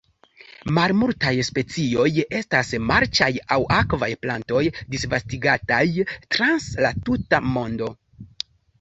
Malmultaj specioj estas marĉaj aŭ akvaj plantoj disvastigataj trans la tuta mondo.